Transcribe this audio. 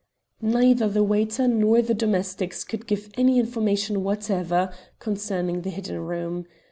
Neither the waiter nor the domestics could give any information whatever concerning the hidden room.